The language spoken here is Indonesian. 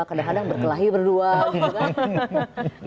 kadang kadang berkelahi berdua gitu kan